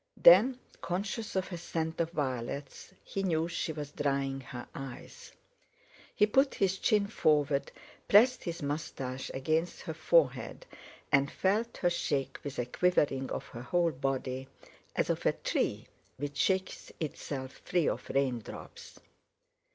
Then, conscious of a scent of violets, he knew she was drying her eyes. He put his chin forward, pressed his moustache against her forehead, and felt her shake with a quivering of her whole body, as of a tree which shakes itself free of raindrops.